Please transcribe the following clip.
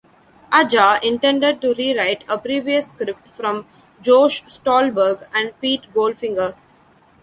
Aja intended to rewrite a previous script from Josh Stolberg and Pete Goldfinger.